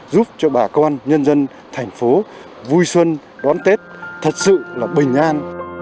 giúp cho bà con nhân dân thành phố vui xuân đón tết thật sự là bình an